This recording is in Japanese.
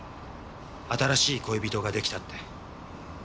「新しい恋人が出来た」って。